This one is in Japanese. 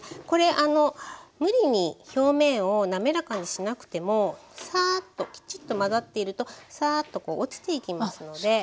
これ無理に表面を滑らかにしなくてもきちっと混ざっているとサーッと落ちていきますので。